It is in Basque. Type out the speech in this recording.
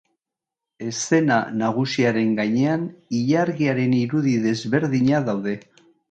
Eszena nagusiaren gainean ilargiaren irudi desberdinak daude.